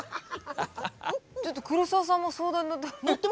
ちょっと黒沢さんも相談に乗って。